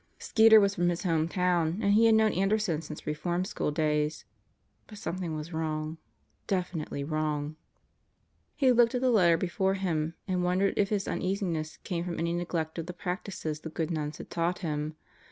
Skeeter was from his home town and he had known Anderson since re form school days. But something was wrong. Definitely wrong. He looked at the letter before him and wondered if his un easiness came from any neglect of the practices the good nuns had taught him.